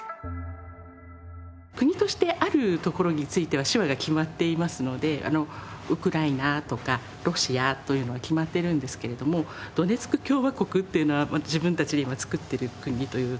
国としてある所については手話が決まっていますのでウクライナとかロシアというのは決まっているんですけれどもドネツク共和国っていうのは自分たちで今つくってる国というところ。